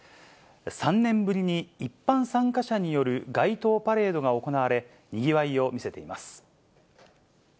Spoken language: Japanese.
３年ぶりに一般参加者による街頭パレードが行われ、にぎわいを見せています。